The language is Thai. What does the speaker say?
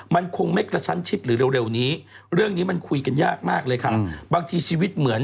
มันคงไม่กระชั่นชิดหรือเร็วนี้